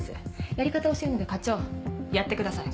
やり方教えるので課長やってください。